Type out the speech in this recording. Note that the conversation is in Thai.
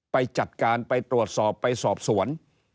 ไปจัดการไปตรวจสอบไปสอบสวน